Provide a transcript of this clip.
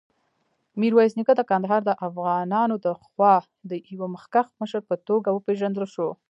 میرویس نیکه د کندهار دافغانانودخوا د یوه مخکښ مشر په توګه وپېژندل شو.